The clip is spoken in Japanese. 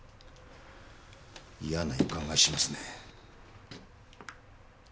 嫌な予感がしますね。